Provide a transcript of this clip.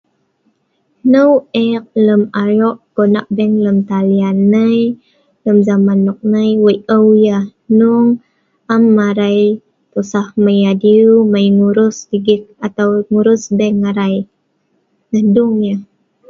Hneu eek lem ayo gonak bank lem talian nai lem zaman noknai wei' ou yeh, hnueng am arai tusah mai adiu mai ngurus ligit atau ngurus bank arai nah dung nyeh